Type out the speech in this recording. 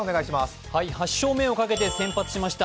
８勝目をかけて先発しました